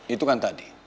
itu kan tadi